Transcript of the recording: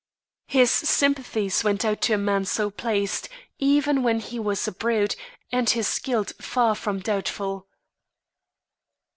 His sympathies went out to a man so placed, even when he was a brute and his guilt far from doubtful.